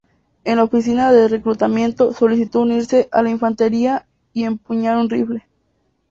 En la oficina de reclutamiento, solicitó unirse a la infantería y empuñar un rifle.